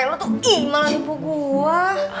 lo tuh malah nipu gue